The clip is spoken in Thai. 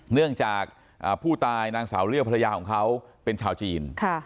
เนื่องจากผู้ตายนางสาวเลี่ยวภรรยาของเขาเป็นชาวจีน